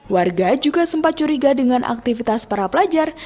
warga juga sempat curiga dengan aktivitas para pelajar